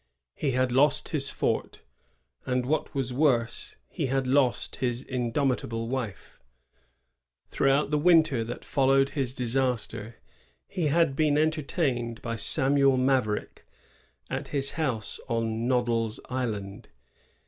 He had lost his fort, and, what was worse, he had lost his indomitaUe wife. Throughout the winter that followed his disaster he had been entertained by Samuel Maverick, at his house on Noddle's Island.